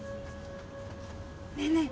ねえねえ！